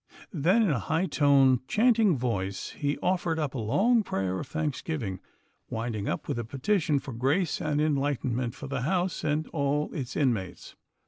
Then in a high toned chanting voice he offered up a long prayer of thanksgiving, winding up with a petition for grace and enlightenment for the house and all its inmates.